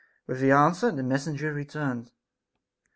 With this answer the messenger returned.